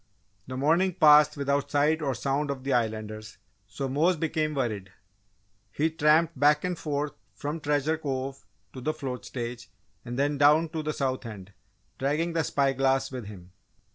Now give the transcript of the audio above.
The morning passed without sight or sound of the Islanders so Mose became worried. He tramped back and forth from Treasure Cove to the float stage and then down to the South End, dragging the spy glass with him.